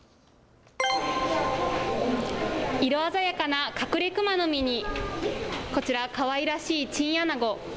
色鮮やかなカクレクマノミに、こちら、かわいらしいチンアナゴ。